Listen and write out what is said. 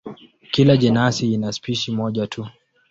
Kila jenasi ina spishi moja tu.